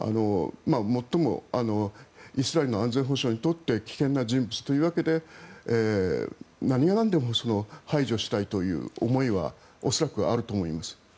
最もイスラエルの安全保障にとって危険な人物というわけで何が何でも排除したいという思いは恐らく、あると思います。